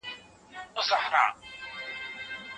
وزیرفتح خان د خپل ټبر مشر و.